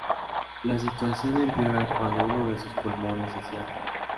La situación empeora cuando uno de sus pulmones se cierra.